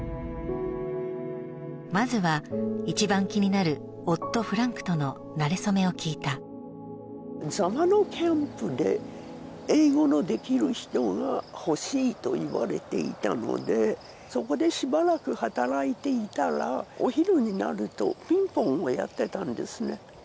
まずは一番気になる夫・フランクとのなれそめを聞いた座間のキャンプで英語のできる人が欲しいと言われていたのでそこでしばらく働いていたらお昼になるとピンポンをやってたんですね